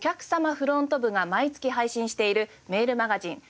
フロント部が毎月配信しているメールマガジンｔｏｕｃｈ！